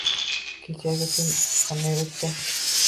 – Kechagi tun qanday o‘tdi?